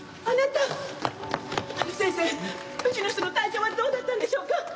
あの先生うちの人の体調はどうだったんでしょうか？